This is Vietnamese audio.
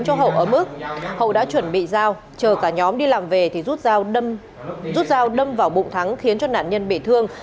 hậu đã chuẩn bị dao chờ cả nhóm đi làm về thì rút dao đâm vào bụng thắng khiến cho nạn nhân bị thương